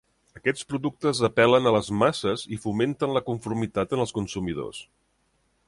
Aquests productes apel·len a les masses i fomenten la conformitat en els consumidors.